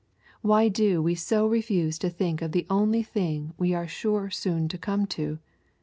Why do we so refuse to think of the only thing we are sure soon to come to?